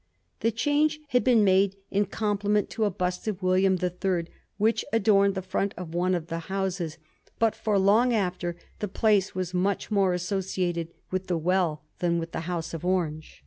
The change had been made in compliment to a bust of William the Third, which adorned the front of one of the houses, but for long after the place was much more associated with the well than with the House of Orange.